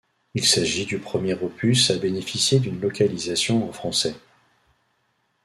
Il s'agit du premier opus à bénéficier d'une localisation en français.